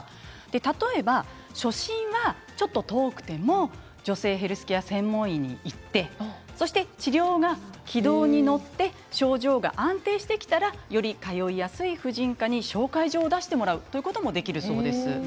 例えば初診はちょっと遠くても女性ヘルスケア専門医に行って治療が軌道に乗って症状が安定してきたらより通いやすい婦人科に紹介状を出してもらうということもできるそうです。